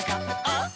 「あっ！